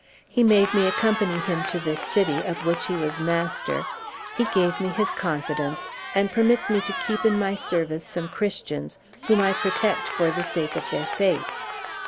He made me accompany him to this city, of which he was master, he gave me his confidence, and permits me to keep in my service some Christians, whom I protect for the sake of their faith."